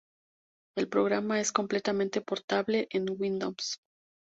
El programa es completamente portable en Windows.